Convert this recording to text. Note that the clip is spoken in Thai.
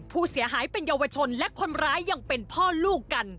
ผู้เสียหายเป็นเยาวชนและคนร้ายยังเป็นพ่อลูกกัน